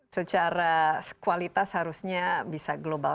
secara kualitas harusnya bisa global